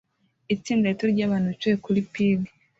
Itsinda rito ryabantu bicaye kuri pir